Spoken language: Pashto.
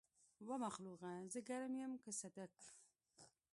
ومخلوقه! زه ګرم يم که صدک.